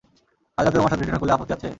আজ রাতে তোমার সাথে ডিনার করলে আপত্তি আছে?